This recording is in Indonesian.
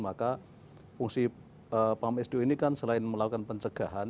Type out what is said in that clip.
maka fungsi pam sdo ini kan selain melakukan pencegahan